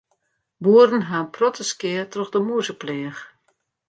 Boeren ha in protte skea troch de mûzepleach.